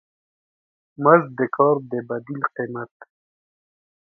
مزد د کار د بدیل قیمت دی.